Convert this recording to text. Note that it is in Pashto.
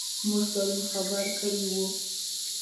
موږ پرون خبره کړې وه.